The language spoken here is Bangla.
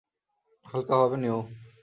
হাল্কা ভাবে নেও।